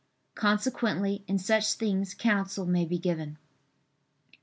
Consequently in such things counsel may be given.